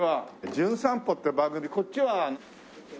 『じゅん散歩』って番組こっちは流してないか。